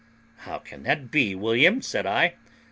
"How can that be, William?" said I.